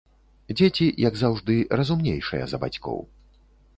Дзеці, як заўжды, разумнейшыя за бацькоў.